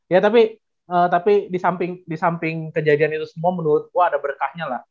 ya tapi tapi di samping kejadian itu semua menurut gue ada berkahnya lah